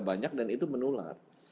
banyak dan itu menular